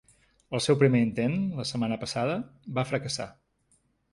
El seu primer intent, la setmana passada, va fracassar.